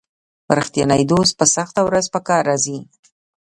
رښتینی دوست په سخته ورځ په کار راځي.